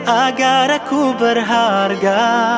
agar aku berharga